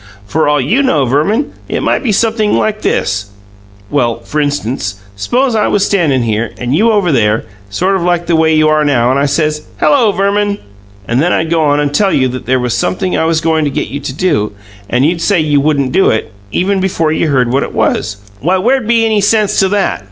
For all you know, Verman, it might be sumpthing like this: well, f'rinstance, s'pose I was standin' here, and you were over there, sort of like the way you are now, and I says, 'Hello, Verman!' and then I'd go on and tell you there was sumpthing I was goin' to get you to do; and you'd say you wouldn't do it, even before you heard what it was, why where'd be any sense to THAT?